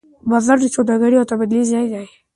بازار د سوداګرۍ او تبادلې ځای دی.